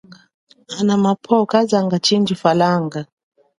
Ana mapwo kazanga chindji falanga.